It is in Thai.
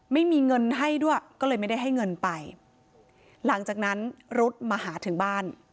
ไม่มีเงินให้ด้วยก็เลยไม่ได้ให้เงินไปหลังจากนั้นรุ๊ดมาหาถึงบ้าน